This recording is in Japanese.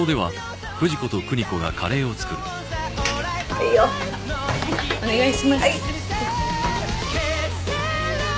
はいよはいお願いします